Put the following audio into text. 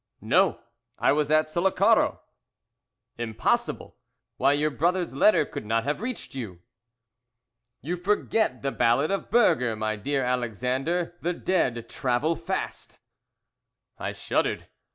"No, I was at Sullacaro!" "Impossible! Why your brother's letter could not have reached you." "You forget the ballad of Burger, my dear Alexander the dead travel fast!" I shuddered!